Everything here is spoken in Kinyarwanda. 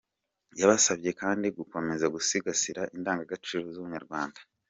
Yabasabye kandi gukomeza gusigasira indangagaciro z’Ubunyarwanda.